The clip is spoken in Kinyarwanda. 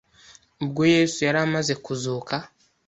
ubwo Yesu yari amaze kuzuka